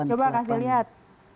coba kasih lihat